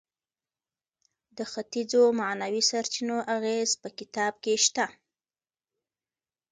د ختیځو معنوي سرچینو اغیز په کتاب کې شته.